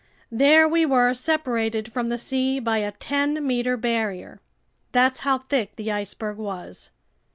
There we were separated from the sea by a ten meter barrier. That's how thick the iceberg was.